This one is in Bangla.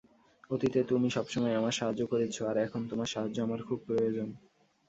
অতীতে তুমি সবসময় আমাকে সাহায্য করেছ, আর এখন তোমার সাহায্য আমার খুব প্রয়োজন।